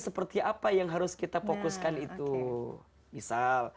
seperti apa yang harus kita lakukan untuk menikahi perempuan itu adalah kewajiban untuk menikahi perempuan